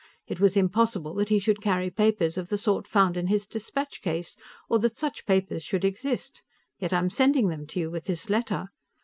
It was impossible that he should carry papers of the sort found in his dispatch case, or that such papers should exist yet I am sending them to you with this letter.